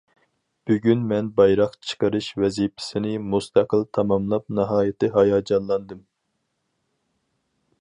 بۈگۈن مەن بايراق چىقىرىش ۋەزىپىسىنى مۇستەقىل تاماملاپ ناھايىتى ھاياجانلاندىم.